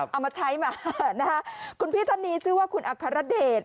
เอามาใช้มานะคะคุณพี่ท่านนี้ชื่อว่าคุณอัครเดช